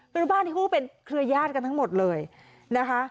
เป็นบ้านที่เขาเป็นเครือญาติกันทั้งหมดเลยนะคะ